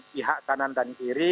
pihak kanan dan kiri